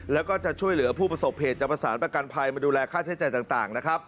แล้วก็จะช่วยเหลือผู้ประสบเหตุจะประสานประกันภัยมาดูแลค่าใช้จ่ายต่างนะครับ